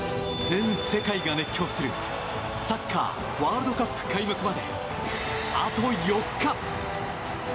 全世界が熱狂するサッカーワールドカップ開幕まで、あと４日。